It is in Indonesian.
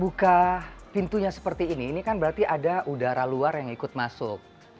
buka pintunya seperti ini berarti adalah udara luar yang ikut masuk